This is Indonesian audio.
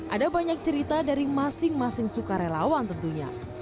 ada banyak cerita dari masing masing sukarelawan tentunya